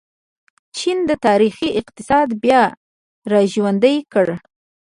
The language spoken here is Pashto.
چین د تاریخي اقتصاد بیا راژوندی کړ.